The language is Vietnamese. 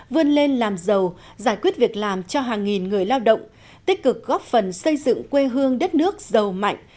vươn lên làm giàu giải quyết việc làm cho hàng nghìn người lao động tích cực góp phần xây dựng quê hương đất nước giàu mạnh